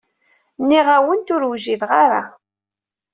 Nniɣ-awent ur wjideɣ ara.